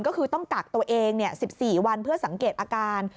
ก็คือต้องกักตัวเอง๑๔วันเพื่อสังเกตอาการ